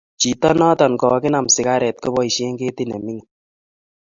Chito noto kokinam sigaret koboishe ketit ne mingin